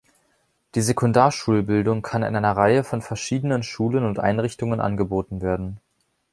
Die Sekundarschulbildung kann in einer Reihe von verschiedenen Schulen und Einrichtungen angeboten werden.